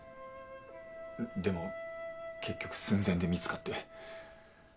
でも結局寸前で見つかって。